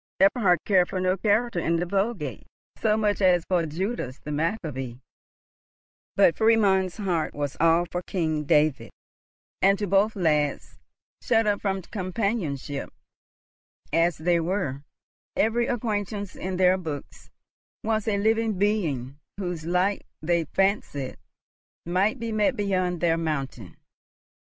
Eberhard cared for no character in the Vulgate so much as for Judas the Maccabee; but Friedmund's heart was all for King David; and to both lads, shut up from companionship as they were, every acquaintance in their books was a living being whose like they fancied might be met beyond their mountain.